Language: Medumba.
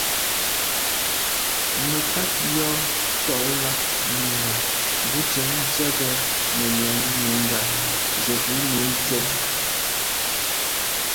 Mə̀kát jɔ́ tɔ̀ɔ́ lá’ nùngà bú tɛ̀ɛ́n ndzjə́ə̀k nə̀ lɛ̀ɛ́n nùngá zə́ bú nùú cúp.